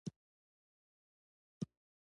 افغانستان د پامیر په اړه ډېرې ګټورې علمي څېړنې لري.